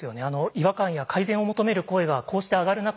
違和感や改善を求める声がこうして上がる中